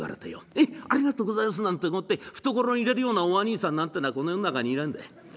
へいありがとうございますなんてもって懐に入れるようなおあにいさんなんてのはこの世の中にいねえんだい。